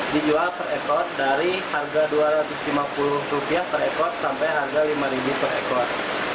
dijual per ekor dari harga rp dua ratus lima puluh per ekor sampai harga rp lima per ekor